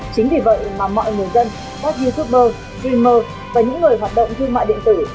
chính vì vậy mà mọi người dân các youtuber streamer và những người hoạt động thương mại điện tử